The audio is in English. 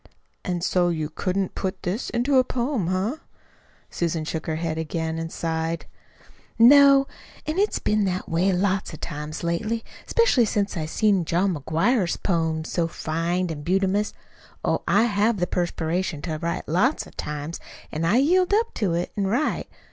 "And so you couldn't put this into a poem eh?" Susan shook her head again and sighed. "No. An' it's been that way lots o' times lately, 'specially since I seen John McGuire's poems so fine an' bumtious! Oh, I have the perspiration to write, lots o' times, an' I yield up to it an' write.